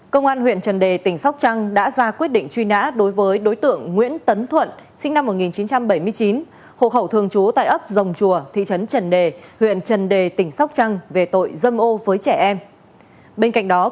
công an tp hải phòng đã ra quyết định khởi tố với ông phát là người tổ chức cầm đầu lập nhiều công ty ma để mua đơn